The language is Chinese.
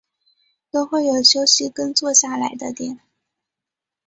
都会有休息跟坐下来的点